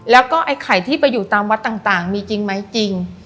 แล้วก็ไอ้ไข่ที่ไปอยู่ตามวัดต่างมีจริงไหมจริง